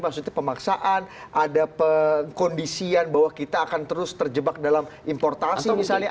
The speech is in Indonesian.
maksudnya pemaksaan ada pengkondisian bahwa kita akan terus terjebak dalam importasi misalnya